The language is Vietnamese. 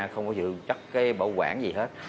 không có sử dụng chất bảo quản gì hết